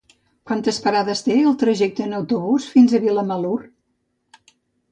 Quantes parades té el trajecte en autobús fins a Vilamalur?